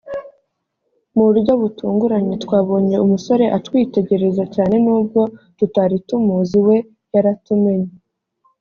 mu buryo butunguranye twabonye umusore atwitegereza cyane nubwo tutari tumuzi we yaratumenye